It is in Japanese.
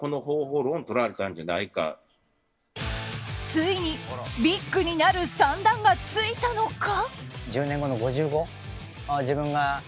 ついにビッグになる算段がついたのか。